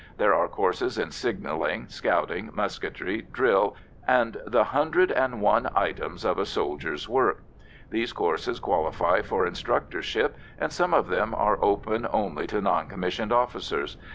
There are courses in signalling, scouting, musketry, drill, and the hundred and one items of a soldier's work; these courses qualify for instructorship, and some of them are open only to non commissioned officers.